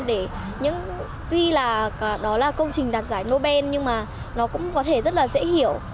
để tuy là đó là công trình đạt giải nobel nhưng mà nó cũng có thể rất là dễ hiểu